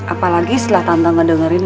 apalagi setelah tante ngedengerin